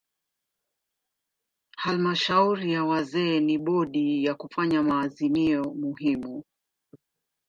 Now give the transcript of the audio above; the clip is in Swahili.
Halmashauri ya wazee ni bodi ya kufanya maazimio muhimu.